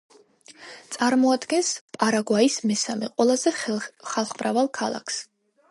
წარმოადგენს პარაგვაის მესამე ყველაზე ხალხმრავალ ქალაქს.